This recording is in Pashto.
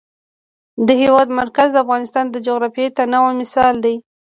د هېواد مرکز د افغانستان د جغرافیوي تنوع مثال دی.